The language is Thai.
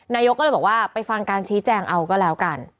นายกก็เลยบอกว่าไปฟังการชี้แจงเอาก็แล้วกัน